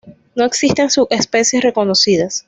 No existen subespecies reconocidas.